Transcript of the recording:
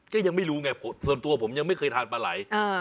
ก็ยังไม่รู้ไงส่วนตัวผมยังไม่เคยทานปลาไหล่